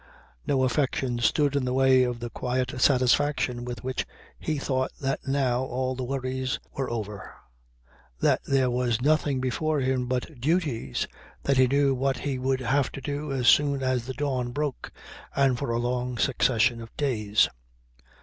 No affection stood in the way of the quiet satisfaction with which he thought that now all the worries were over, that there was nothing before him but duties, that he knew what he would have to do as soon as the dawn broke and for a long succession of days.